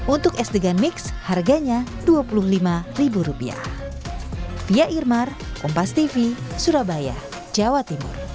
untuk es degan mix harganya dua puluh lima ribu rupiah